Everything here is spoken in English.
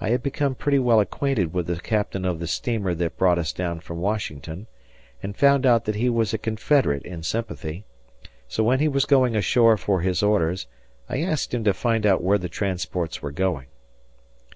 I had become pretty well acquainted with the captain of the steamer that brought us down from Washington, and found out that he was a Confederate in sympathy; so when he was going ashore for his orders, I asked him to find out where the transports were going.